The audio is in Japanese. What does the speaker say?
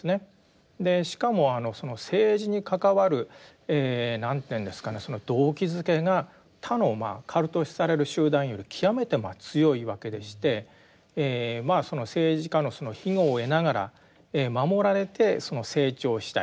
しかもその政治に関わる何ていうんですかね動機づけが他のカルト視される集団より極めて強いわけでしてその政治家の庇護を得ながら守られて成長したいと。